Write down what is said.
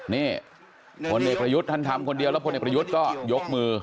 นี่พลเอกประยุทธ์ท่านทำคนเดียวแล้วพลเอกประยุทธ์ก็ยกมือ